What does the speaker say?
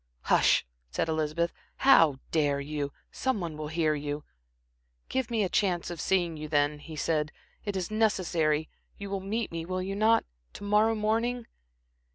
"Hush," said Elizabeth. "How dare you? Some one will hear you." "Give me a chance of seeing you, then," he said. "It is necessary. You will meet me will you not? to morrow morning?"